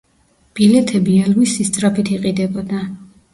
ბილეთები ელვის სისწრაფით იყიდებოდა.